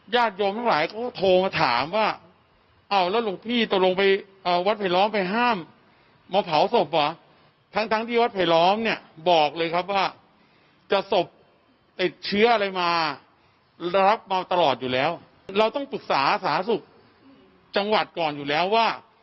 อยู่แล้วเราต้องปรึกษาอาสาสุขจังหวัดก่อนอยู่แล้วว่า